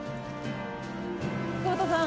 久保田さん